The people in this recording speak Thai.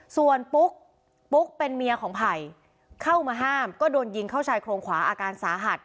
ส่วนปุ๊กปุ๊กเป็นเมียของไผ่เข้ามาห้ามก็โดนยิงเข้าชายโครงขวาอาการสาหัส